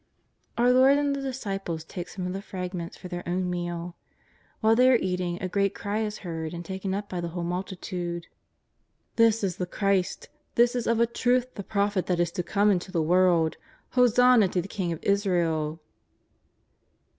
Our Lord and the dis ciples take some of the fragments for their o^vn meal. Whilst they are eating, a great cry is heard and taken up by the whole multitude: ^' This is the Christ ! This is of a truth the Prophet that is to come into the world ! Hosanna to the King of Israel